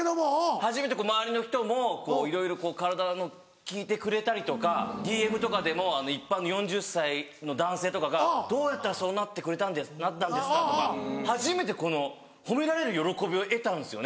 初めて周りの人もいろいろ体の聞いてくれたりとかＤＭとかでも一般の４０歳の男性とかがどうやったらそうなったんですか？とか初めてこの褒められる喜びを得たんですよね。